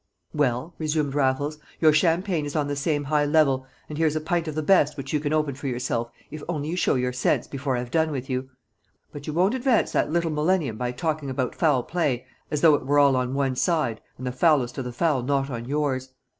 "Well," resumed Raffles, "your champagne is on the same high level, and here's a pint of the best which you can open for yourself if only you show your sense before I've done with you. But you won't advance that little millennium by talking about foul play as though it were all on one side and the foulest of the foul not on yours.